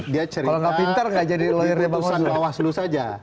dia cerita putusan bawaslu saja